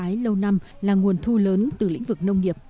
tái lâu năm là nguồn thu lớn từ lĩnh vực nông nghiệp